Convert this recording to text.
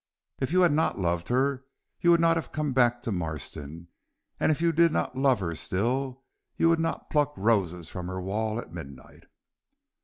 "If you had not loved her, you would not have come back to Marston, and if you did not love her still, you would not pluck roses from her wall at midnight."